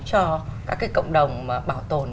cho các cộng đồng bảo tồn